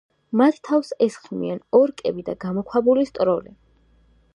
მათ თავს ესხმიან ორკები და გამოქვაბულის ტროლი.